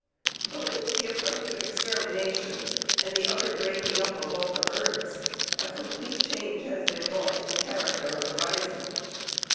But with the approach of extermination, and the utter breaking up of all the herds, a complete change has been wrought in the character of the bison.